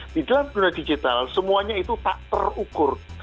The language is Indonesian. di dalam dunia digital semuanya itu tak terukur